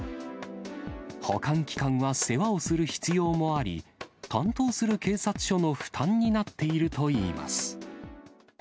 保管期間は世話をする必要もあり、担当する警察署の負担になっているといいます。